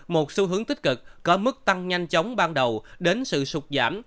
một xu hướng tích cực có mức tăng nhanh chóng ban đầu đến sự sụt giảm